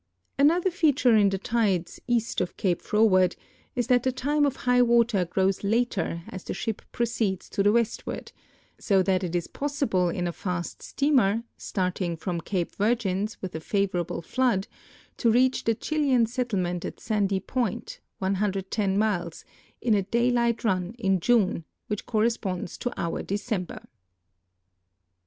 An other feature in the tides east of Cape Froward is that the time of high water grows later as the ship proceeds to the westward, so that it is possible in a fast steamer, starting from Cape Virgins with a favorable flood, to reach the Chilean settlement at Sandy Point (110 miles) in a daylight run m June, whicli corri'sponds to our December.